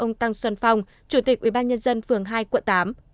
ông tăng xuân phong chủ tịch ubnd phường hai quận tám